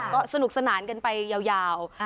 ก็สนุกสนานกันไปยาว